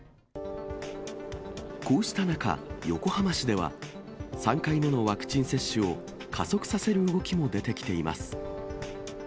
こうした中、横浜市では、３回目のワクチン接種を加速させる動きも出てきています。